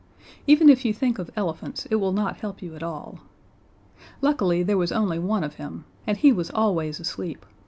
Even if you think of elephants it will not help you at all. Luckily there was only one of him, and he was always asleep.